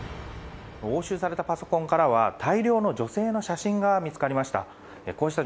押収されたパソコンからは大量の女性の写真が見つかりました。